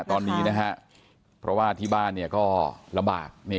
ตอนนี้นะฮะเพราะว่าที่บ้านก็ลำบาก